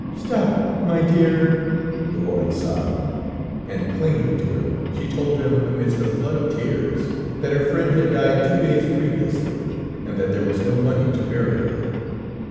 "Stop, my dear," the woman sobbed; and clinging to him, she told him amidst a flood of tears, that her friend had died two days previously, and that there was no money to bury her.